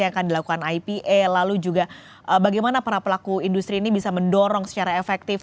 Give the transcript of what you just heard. yang akan dilakukan ipa lalu juga bagaimana para pelaku industri ini bisa mendorong secara efektif